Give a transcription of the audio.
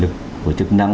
của chức năng